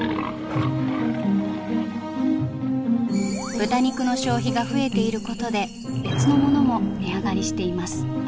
豚肉の消費が増えていることで別のものも値上がりしています。